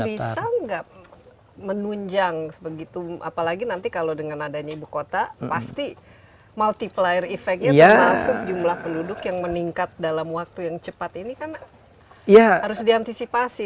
bisa nggak menunjang begitu apalagi nanti kalau dengan adanya ibu kota pasti multiplier effect nya termasuk jumlah penduduk yang meningkat dalam waktu yang cepat ini kan harus diantisipasi